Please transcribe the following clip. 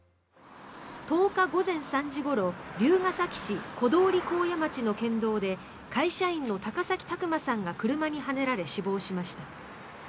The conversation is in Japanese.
１０日午前３時ごろ龍ケ崎市小通幸谷町の県道で会社員の高崎拓磨さんが車にはねられ死亡しました。